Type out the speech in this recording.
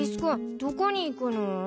どこに行くの？